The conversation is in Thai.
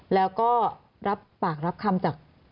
แล้วก็รับปากรับคำจาก